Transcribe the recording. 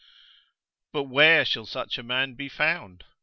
But where shall such a man be found?